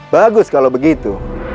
bagus kalau begitu